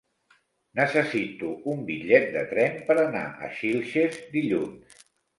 Necessito un bitllet de tren per anar a Xilxes dilluns.